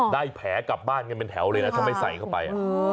ได้แผลกลับบ้านกันเป็นแถวเลยนะถ้าไม่ใส่เข้าไป